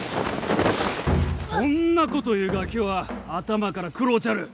そんなこと言うガキは頭から食ろうちゃる！